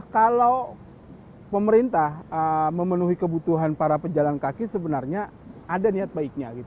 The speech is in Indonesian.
kalau pemerintah memenuhi kebutuhan para pejalan kaki sebenarnya ada niat baiknya